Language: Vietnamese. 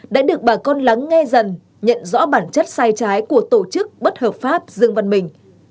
đã được bà con lắng nghe dần nhận rõ bản chất sai trái của tổ chức bất hợp pháp dương văn bình